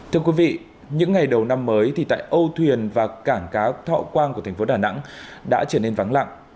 thưa quý vị những ngày đầu năm mới thì tại âu thuyền và cảng cá thọ quang của thành phố đà nẵng đã trở nên vắng lặng